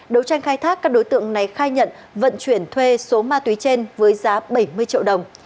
đấu tranh khai thác các đối tượng này khai nhận vận chuyển thuê số ma túy trên với giá bảy mươi triệu đồng